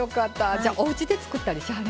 じゃあおうちで作ったりしはります？